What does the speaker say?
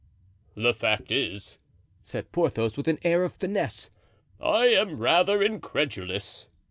"The fact is," said Porthos, with an air of finesse, "I am rather incredulous."